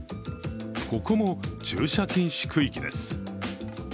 ここも駐車禁止区域です。